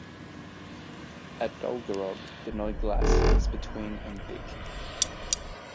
At Dolgarrog the Nod Glas is between and thick.